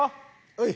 はい。